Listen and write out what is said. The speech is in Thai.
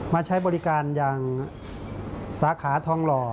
มาใช้บริการอย่างสาขาทองหล่อ